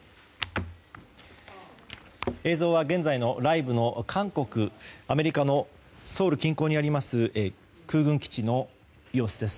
映像は現在のライブの韓国、アメリカのソウル近郊にあります空軍基地の様子です。